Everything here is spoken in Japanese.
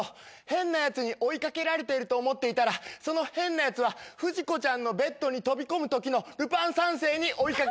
変なやつに追い掛けられてると思ってたらその変なやつは不二子ちゃんのベッドに飛び込むときのルパン三世に追い掛けられていた。